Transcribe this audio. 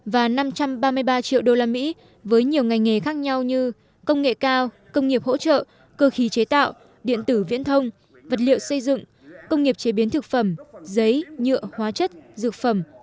và năm trăm ba mươi ba triệu usd với nhiều ngành nghề khác nhau như công nghệ cao công nghiệp hỗ trợ cơ khí chế tạo điện tử viễn thông vật liệu xây dựng công nghiệp chế biến thực phẩm giấy nhựa hóa chất dược phẩm